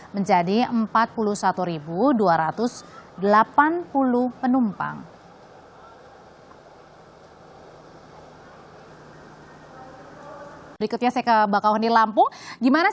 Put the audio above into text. menjadi empat puluh satu dua ratus delapan puluh penumpang